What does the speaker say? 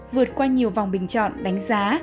vượt qua nhiều vòng bình chọn đánh giá